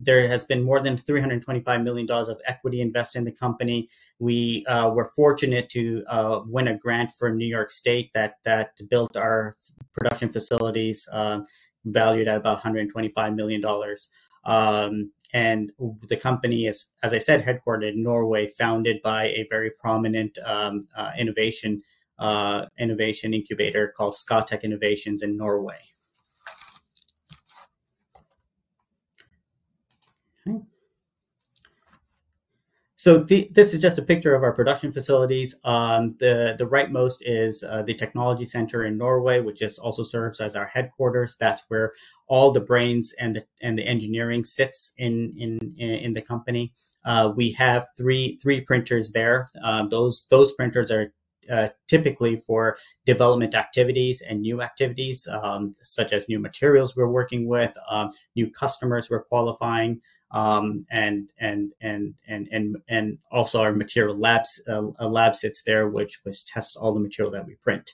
There has been more than $325 million of equity invested in the company. We were fortunate to win a grant from New York State that built our production facilities, valued at about $125 million. The company is, as I said, headquartered in Norway, founded by a very prominent innovation incubator called Scatec Innovation in Norway. This is just a picture of our production facilities. The rightmost is the technology center in Norway, which also serves as our headquarters. That's where all the brains and the engineering sits in the company. We have three printers there. Those printers are typically for development activities and new activities, such as new materials we're working with, new customers we're qualifying, and also our material lab sits there, which tests all the material that we print.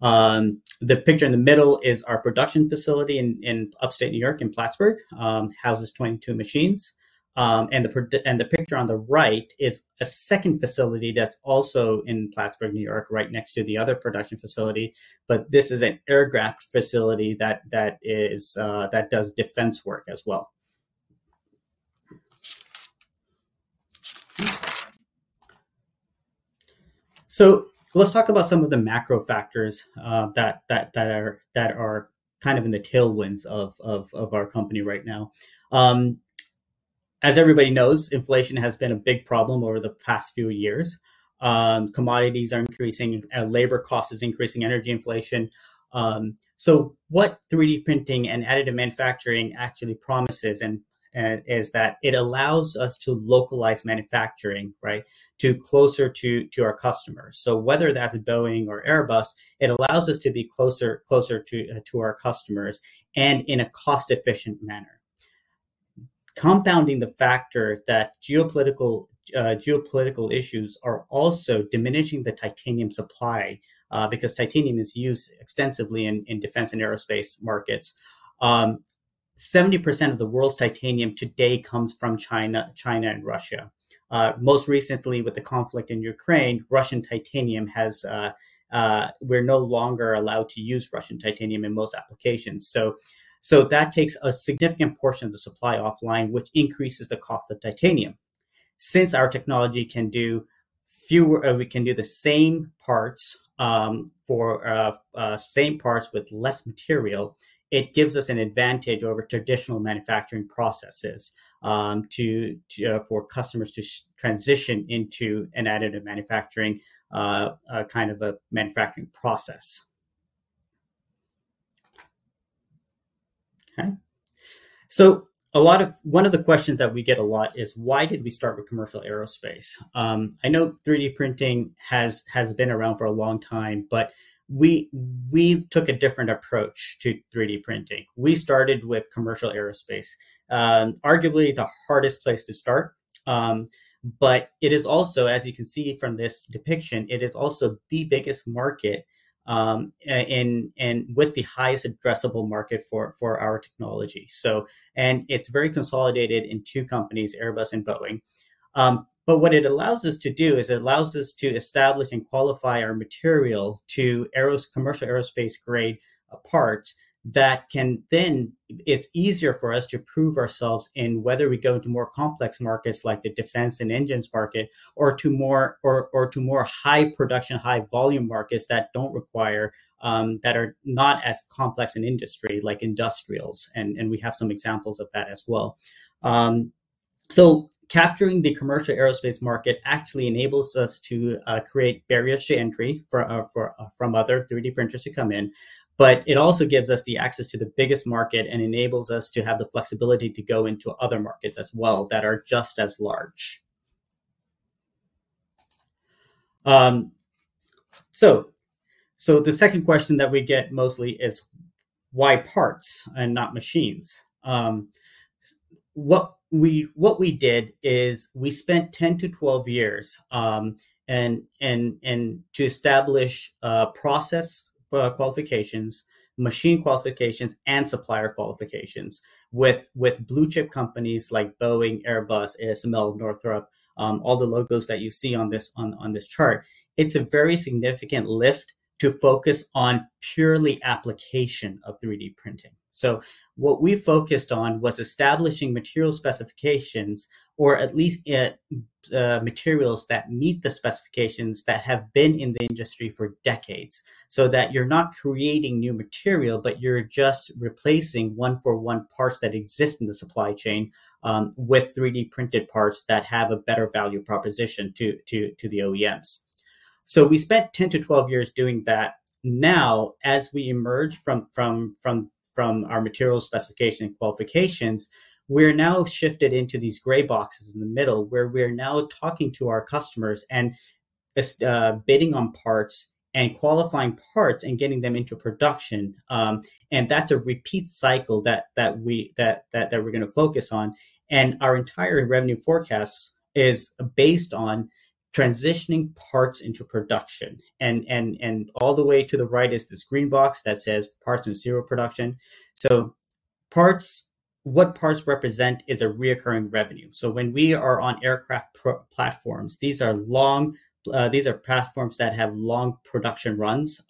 The picture in the middle is our production facility in upstate New York in Plattsburgh, houses 22 machines. The picture on the right is a second facility that's also in Plattsburgh, New York, right next to the other production facility. This is an air-gapped facility that does defense work as well. Let's talk about some of the macro factors that are kind of in the tailwinds of our company right now. As everybody knows, inflation has been a big problem over the past few years. Commodities are increasing, labor costs are increasing, energy inflation. What 3D printing and additive manufacturing actually promises is that it allows us to localize manufacturing to closer to our customers. Whether that's Boeing or Airbus, it allows us to be closer to our customers and in a cost-efficient manner. Compounding the factor that geopolitical issues are also diminishing the titanium supply because titanium is used extensively in defense and aerospace markets. 70% of the world's titanium today comes from China and Russia. Most recently, with the conflict in Ukraine, Russian titanium. We're no longer allowed to use Russian titanium in most applications. So that takes a significant portion of the supply offline, which increases the cost of titanium. Since our technology can do the same parts for same parts with less material, it gives us an advantage over traditional manufacturing processes for customers to transition into an additive manufacturing kind of a manufacturing process. Okay. So one of the questions that we get a lot is, why did we start with commercial aerospace? I know 3D printing has been around for a long time, but we took a different approach to 3D printing. We started with commercial aerospace, arguably the hardest place to start. But it is also, as you can see from this depiction, it is also the biggest market and with the highest addressable market for our technology. And it's very consolidated in two companies, Airbus and Boeing. But what it allows us to do is it allows us to establish and qualify our material to commercial aerospace-grade parts that can then it's easier for us to prove ourselves in whether we go into more complex markets like the defense and engines market or to more high-production, high-volume markets that don't require that are not as complex an industry like industrials. And we have some examples of that as well. So capturing the commercial aerospace market actually enables us to create barriers to entry from other 3D printers to come in. But it also gives us the access to the biggest market and enables us to have the flexibility to go into other markets as well that are just as large. So the second question that we get mostly is, why parts and not machines? What we did is we spent 10-12 years to establish process qualifications, machine qualifications, and supplier qualifications with blue-chip companies like Boeing, Airbus, ASML, Northrop, all the logos that you see on this chart. It's a very significant lift to focus on purely application of 3D printing. So what we focused on was establishing material specifications, or at least materials that meet the specifications that have been in the industry for decades so that you're not creating new material, but you're just replacing one-for-one parts that exist in the supply chain with 3D printed parts that have a better value proposition to the OEMs. So we spent 10 to 12 years doing that. Now, as we emerge from our material specification qualifications, we're now shifted into these gray boxes in the middle where we're now talking to our customers and bidding on parts and qualifying parts and getting them into production. That's a repeat cycle that we're going to focus on. Our entire revenue forecast is based on transitioning parts into production. All the way to the right is this green box that says parts in serial production. What parts represent is recurring revenue. When we are on aircraft platforms, these are platforms that have long production runs.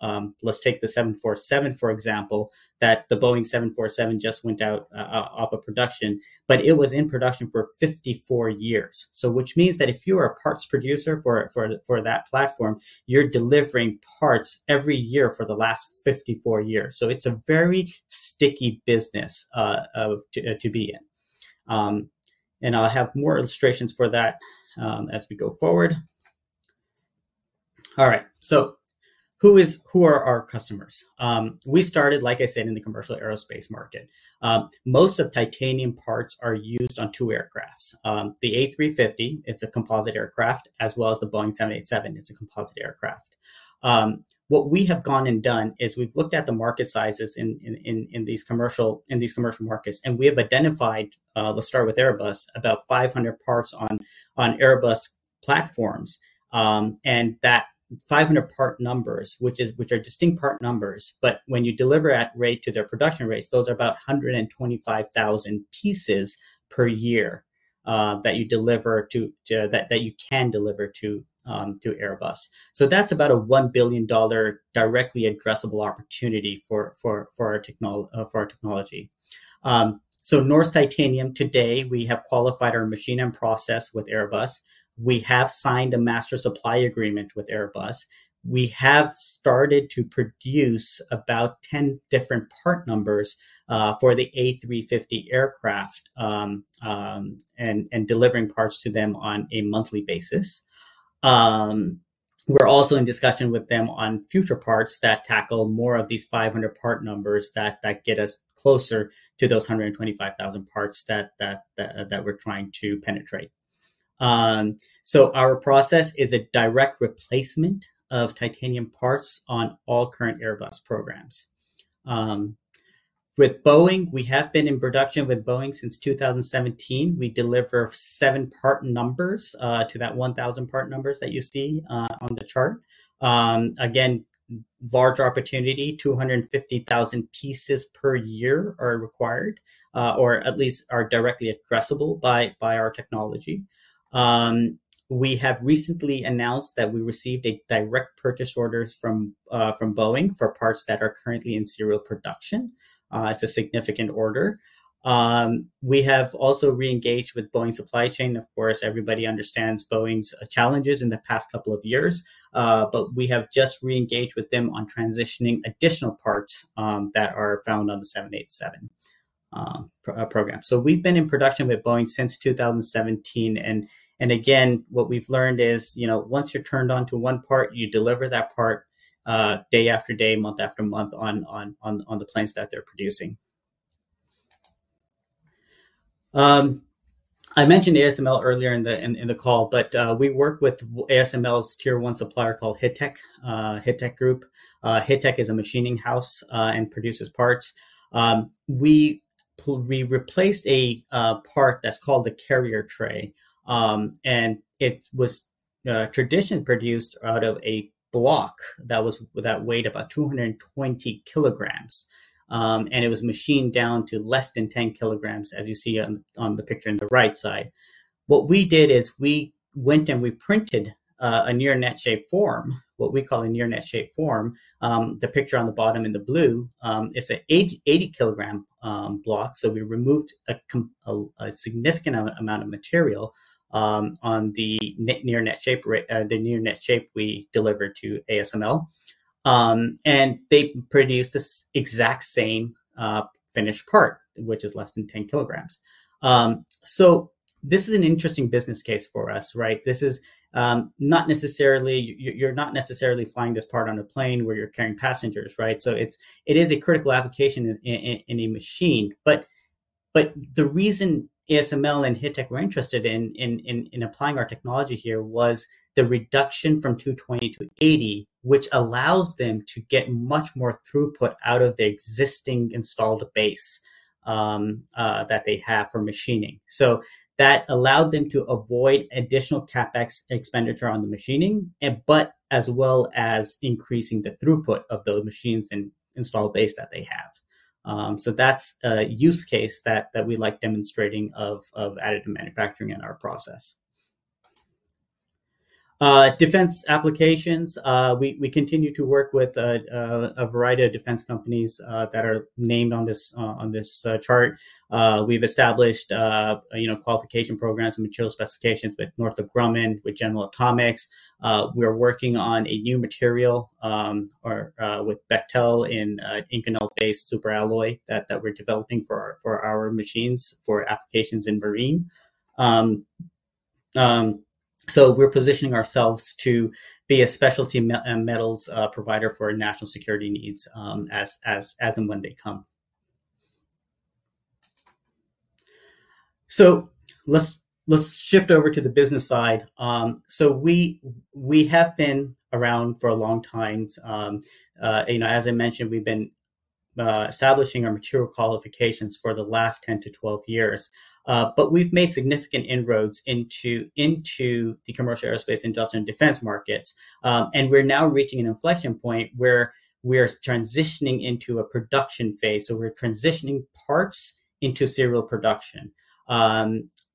Let's take the 747, for example, that the Boeing 747 just went out of production, but it was in production for 54 years, which means that if you are a parts producer for that platform, you're delivering parts every year for the last 54 years. So it's a very sticky business to be in. And I'll have more illustrations for that as we go forward. All right. So who are our customers? We started, like I said, in the commercial aerospace market. Most of titanium parts are used on two aircrafts. The A350, it's a composite aircraft, as well as the Boeing 787, it's a composite aircraft. What we have gone and done is we've looked at the market sizes in these commercial markets, and we have identified, let's start with Airbus, about 500 parts on Airbus platforms. That 500 part numbers, which are distinct part numbers, but when you deliver at rate to their production rates, those are about 125,000 pieces per year that you deliver to that you can deliver to Airbus. So that's about a $1 billion directly addressable opportunity for our technology. So Norsk Titanium, today, we have qualified our machine and process with Airbus. We have signed a Master Supply Agreement with Airbus. We have started to produce about 10 different part numbers for the A350 aircraft and delivering parts to them on a monthly basis. We're also in discussion with them on future parts that tackle more of these 500 part numbers that get us closer to those 125,000 parts that we're trying to penetrate. So our process is a direct replacement of titanium parts on all current Airbus programs. With Boeing, we have been in production with Boeing since 2017. We deliver 7 part numbers to that 1,000 part numbers that you see on the chart. Again, large opportunity, 250,000 pieces per year are required, or at least are directly addressable by our technology. We have recently announced that we received a direct purchase order from Boeing for parts that are currently in serial production. It's a significant order. We have also re-engaged with Boeing Supply Chain. Of course, everybody understands Boeing's challenges in the past couple of years, but we have just re-engaged with them on transitioning additional parts that are found on the 787 program. So we've been in production with Boeing since 2017. And again, what we've learned is once you're turned on to one part, you deliver that part day after day, month after month on the planes that they're producing. I mentioned ASML earlier in the call, but we work with ASML's tier one supplier called Hittech Group. Hittech is a machining house and produces parts. We replaced a part that's called the carrier tray, and it was traditionally produced out of a block that weighed about 220 kilograms. It was machined down to less than 10 kilograms, as you see on the picture on the right side. What we did is we went and we printed a near net shape form, what we call a near net shape form. The picture on the bottom in the blue is an 80-kilogram block. So we removed a significant amount of material on the near net shape we delivered to ASML. They produced this exact same finished part, which is less than 10 kilograms. So this is an interesting business case for us. This is not necessarily flying this part on a plane where you're carrying passengers. So it is a critical application in a machine. But the reason ASML and Hittech were interested in applying our technology here was the reduction from 220 to 80, which allows them to get much more throughput out of the existing installed base that they have for machining. So that allowed them to avoid additional CapEx expenditure on the machining, but as well as increasing the throughput of those machines and installed base that they have. So that's a use case that we like demonstrating of additive manufacturing in our process. Defense applications. We continue to work with a variety of defense companies that are named on this chart. We've established qualification programs and material specifications with Northrop Grumman, with General Atomics. We're working on a new material with Bechtel in Inconel-based superalloy that we're developing for our machines for applications in marine. We're positioning ourselves to be a specialty metals provider for national security needs as and when they come. Let's shift over to the business side. We have been around for a long time. As I mentioned, we've been establishing our material qualifications for the last 10-12 years. But we've made significant inroads into the commercial aerospace industrial and defense markets. We're now reaching an inflection point where we're transitioning into a production phase. We're transitioning parts into serial production.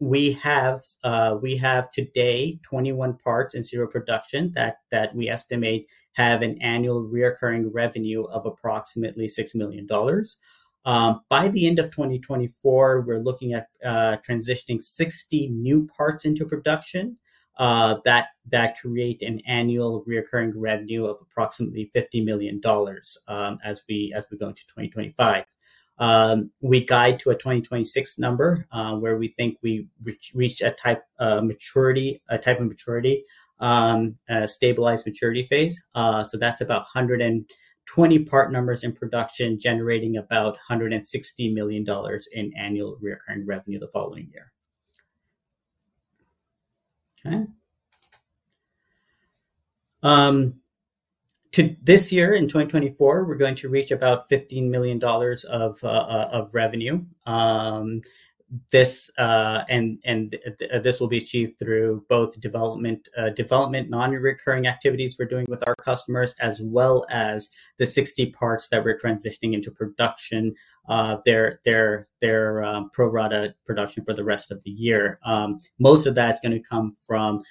We have today 21 parts in serial production that we estimate have an annual recurring revenue of approximately $6 million. By the end of 2024, we're looking at transitioning 60 new parts into production that create an annual recurring revenue of approximately $50 million as we go into 2025. We guide to a 2026 number where we think we reach a type of maturity, a stabilized maturity phase. So that's about 120 part numbers in production generating about $160 million in annual recurring revenue the following year. Okay. This year in 2024, we're going to reach about $15 million of revenue. This will be achieved through both development non-recurring activities we're doing with our customers as well as the 60 parts that we're transitioning into production, their pro-rata production for the rest of the year. Most of that is going to come from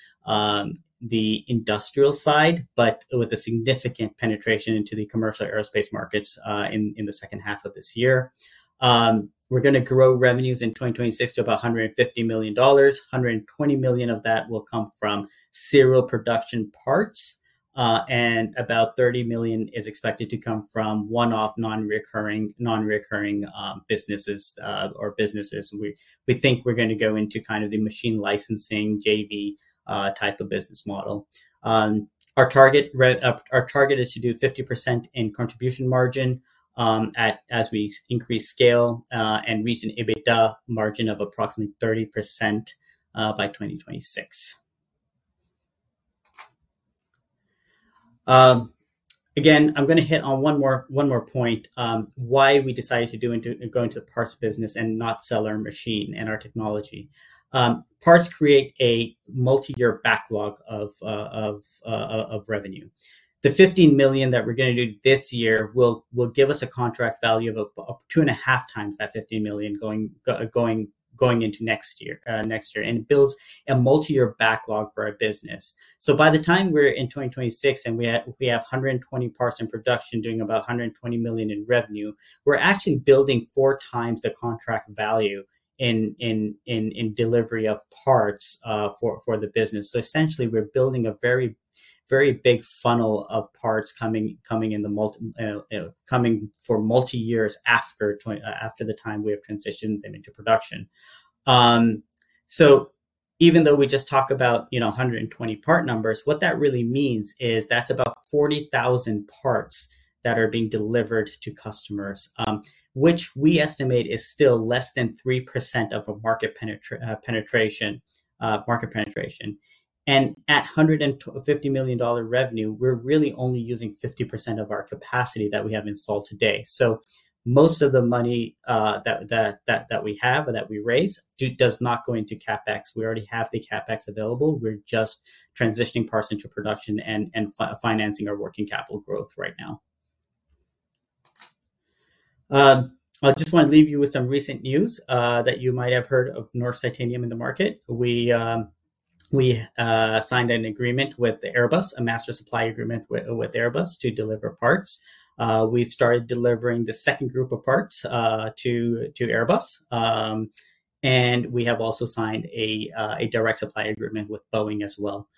the industrial side, but with a significant penetration into the commercial aerospace markets in the second half of this year. We're going to grow revenues in 2026 to about $150 million. $120 million of that will come from serial production parts, and about $30 million is expected to come from one-off non-recurring businesses or businesses. We think we're going to go into kind of the machine licensing JV type of business model. Our target is to do 50% in contribution margin as we increase scale and reach an EBITDA margin of approximately 30% by 2026. Again, I'm going to hit on one more point: why we decided to go into the parts business and not sell our machine and our technology. Parts create a multi-year backlog of revenue. The $15 million that we're going to do this year will give us a contract value of 2.5 times that $15 million going into next year. And it builds a multi-year backlog for our business. So by the time we're in 2026 and we have 120 parts in production doing about $120 million in revenue, we're actually building four times the contract value in delivery of parts for the business. So essentially, we're building a very big funnel of parts coming for multi-years after the time we have transitioned them into production. So even though we just talked about 120 part numbers, what that really means is that's about 40,000 parts that are being delivered to customers, which we estimate is still less than 3% of a market penetration. And at $150 million revenue, we're really only using 50% of our capacity that we have installed today. So most of the money that we have or that we raise does not go into CapEx. We already have the CapEx available. We're just transitioning parts into production and financing our working capital growth right now. I just want to leave you with some recent news that you might have heard of Norsk Titanium in the market. We signed an agreement with Airbus, a master supply agreement with Airbus to deliver parts. We've started delivering the second group of parts to Airbus. And we have also signed a direct supply agreement with Boeing as well.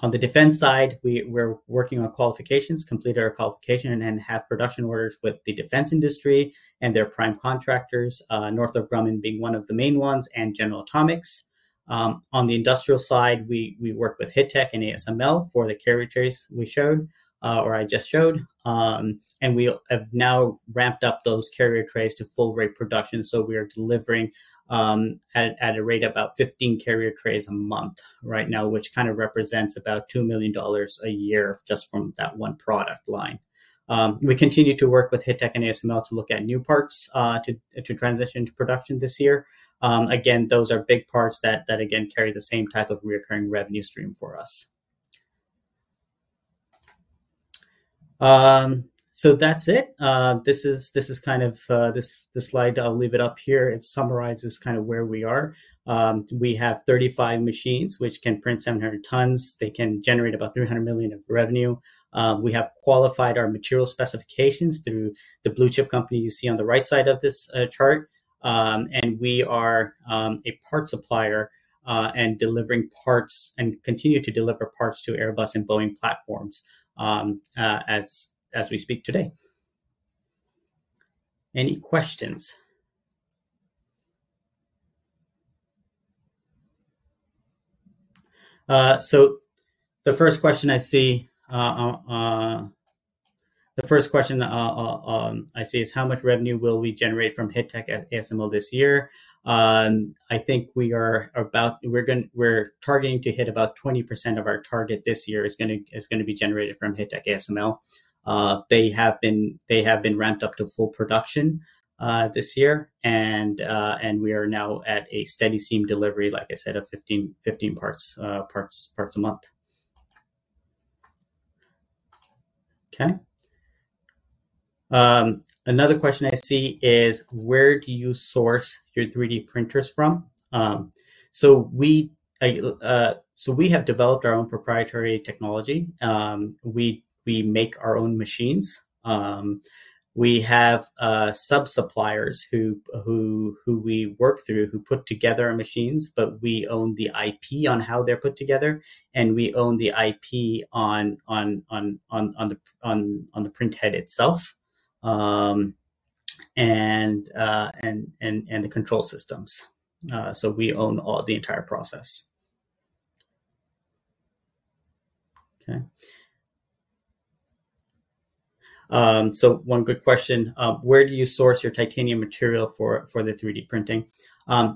On the defense side, we're working on qualifications, completed our qualification, and have production orders with the defense industry and their prime contractors, Northrop Grumman being one of the main ones, and General Atomics. On the industrial side, we work with Hittech and ASML for the carrier trays we showed, or I just showed. And we have now ramped up those carrier trays to full rate production. So we are delivering at a rate of about 15 carrier trays a month right now, which kind of represents about $2 million a year just from that one product line. We continue to work with Hittech and ASML to look at new parts to transition to production this year. Again, those are big parts that, again, carry the same type of recurring revenue stream for us. So that's it. This is kind of the slide. I'll leave it up here. It summarizes kind of where we are. We have 35 machines, which can print 700 tons. They can generate about $300 million of revenue. We have qualified our material specifications through the blue chip company you see on the right side of this chart. And we are a part supplier and delivering parts and continue to deliver parts to Airbus and Boeing platforms as we speak today. Any questions? So the first question I see is how much revenue will we generate from Hittech ASML this year? I think we're targeting to hit about 20% of our target this year is going to be generated from Hittech ASML. They have been ramped up to full production this year. We are now at a steady stream delivery, like I said, of 15 parts a month. Okay. Another question I see is where do you source your 3D printers from? We have developed our own proprietary technology. We make our own machines. We have sub-suppliers who we work through who put together our machines, but we own the IP on how they're put together. We own the IP on the printhead itself and the control systems. We own the entire process. Okay. One good question. Where do you source your titanium material for the 3D printing?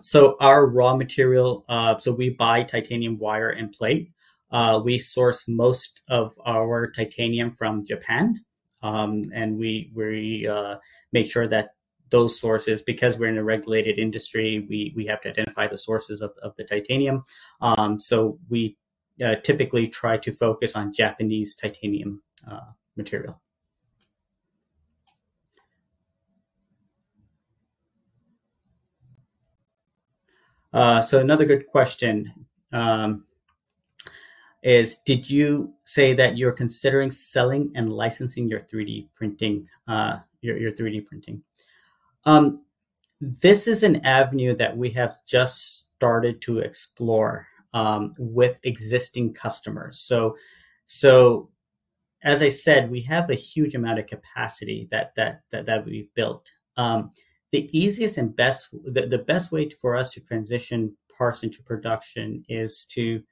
So our raw material, so we buy titanium wire and plate. We source most of our titanium from Japan. And we make sure that those sources, because we're in a regulated industry, we have to identify the sources of the titanium. So we typically try to focus on Japanese titanium material. So another good question is, did you say that you're considering selling and licensing your 3D printing? This is an avenue that we have just started to explore with existing customers. So as I said, we have a huge amount of capacity that we've built. The easiest and best, the best way for us to transition parts into production is to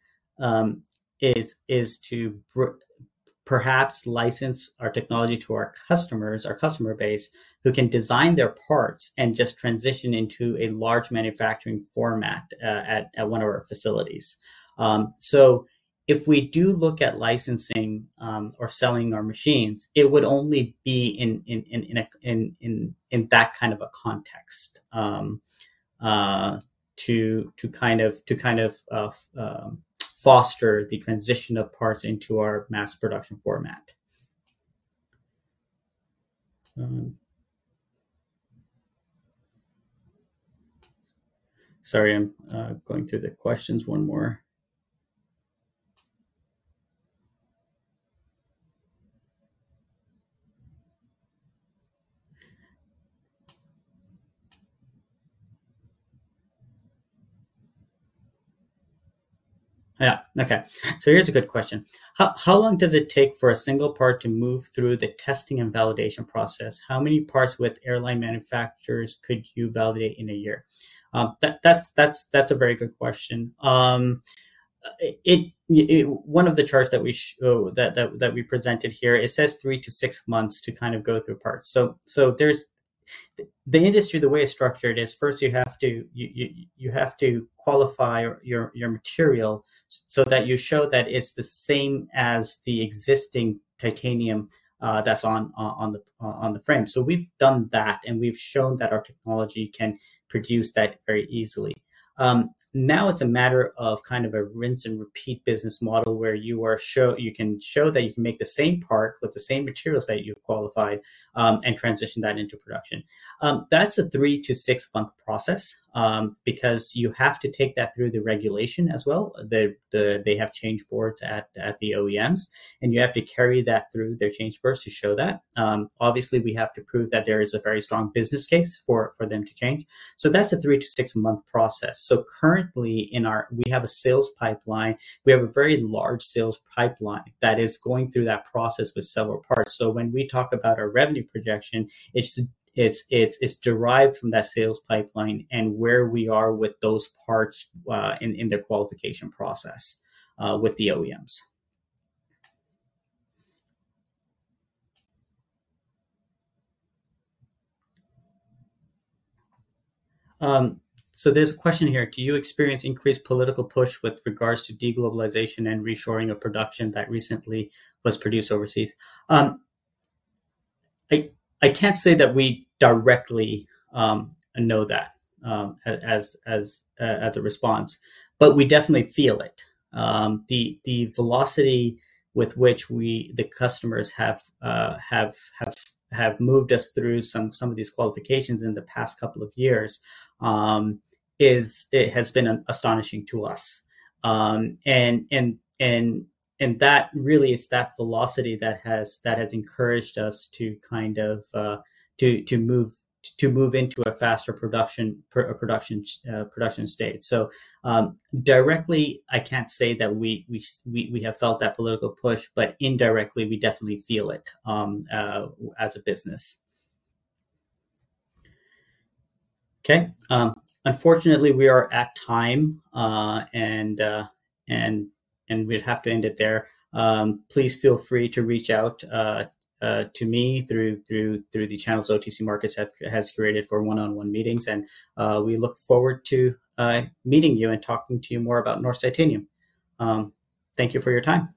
perhaps license our technology to our customers, our customer base, who can design their parts and just transition into a large manufacturing format at one of our facilities. So if we do look at licensing or selling our machines, it would only be in that kind of a context to kind of foster the transition of parts into our mass production format. Sorry, I'm going through the questions one more. Yeah. Okay. So here's a good question. How long does it take for a single part to move through the testing and validation process? How many parts with airline manufacturers could you validate in a year? That's a very good question. One of the charts that we presented here, it says three to six months to kind of go through parts. So the industry, the way it's structured is first you have to qualify your material so that you show that it's the same as the existing titanium that's on the frame. So we've done that, and we've shown that our technology can produce that very easily. Now it's a matter of kind of a rinse and repeat business model where you can show that you can make the same part with the same materials that you've qualified and transition that into production. That's a 3-6-month process because you have to take that through the regulation as well. They have change boards at the OEMs, and you have to carry that through their change boards to show that. Obviously, we have to prove that there is a very strong business case for them to change. So that's a 3-6-month process. So currently, we have a sales pipeline. We have a very large sales pipeline that is going through that process with several parts. So when we talk about our revenue projection, it's derived from that sales pipeline and where we are with those parts in the qualification process with the OEMs. So there's a question here. Do you experience increased political push with regards to deglobalization and reshoring of production that recently was produced overseas? I can't say that we directly know that as a response, but we definitely feel it. The velocity with which the customers have moved us through some of these qualifications in the past couple of years has been astonishing to us. And that really is that velocity that has encouraged us to kind of move into a faster production state. So directly, I can't say that we have felt that political push, but indirectly, we definitely feel it as a business. Okay. Unfortunately, we are at time, and we'd have to end it there. Please feel free to reach out to me through the channels OTC Markets has created for one-on-one meetings. And we look forward to meeting you and talking to you more about Norsk Titanium. Thank you for your time.